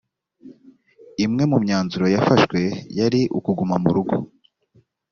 imwe mu myanzuro yafashwe yari ukuguma murugo